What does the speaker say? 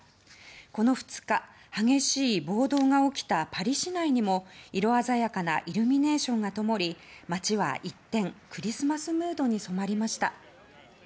この２日、激しい暴動が起きたパリ市内にも色鮮やかなイルミネーションがともり街は一転、クリスマスムードに染まりました。